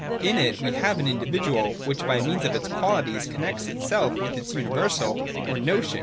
In it we have an individual which by means of its qualities connects itself with its universal or notion.